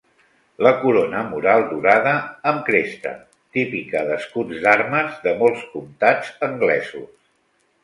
La corona mural dorada amb cresta, típica d'escuts d'armes de molts comtats anglesos.